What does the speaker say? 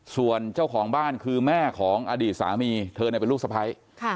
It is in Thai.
ส่วนเจ้าของบ้านคือแม่ของอดีตสามีเธอเป็นลูกสะพ้าย